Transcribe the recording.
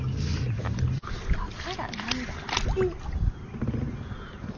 分からなんだらええ。